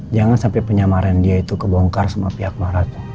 jangan sampai penyamaran dia itu kebongkar sama pihak maharatu